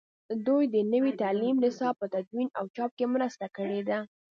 دوی د نوي تعلیمي نصاب په تدوین او چاپ کې مرسته کړې ده.